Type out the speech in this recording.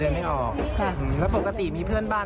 ตัวเองก็คอยดูแลพยายามเท็จตัวให้ตลอดเวลา